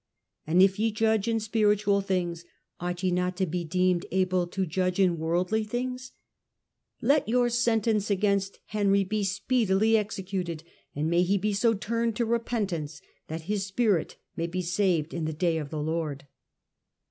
And if ye judge in spiritual things, ought ye not to be deemed able to judge in worldly things ? Let your sen tence against Henry be speedily executed, and may he be so turned to repentance that his spirit may be saved in the day of the Lord